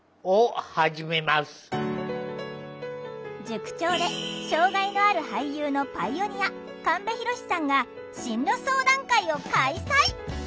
塾長で障害のある俳優のパイオニア神戸浩さんが進路相談会を開催。